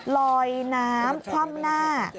ลอยน้ำคว่ำหน้า